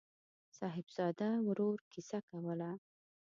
صاحبزاده ورور کیسه کوله.